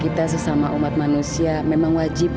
kita sesama umat manusia memang wajib menjaga kebaikan ibu